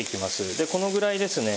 でこのぐらいですね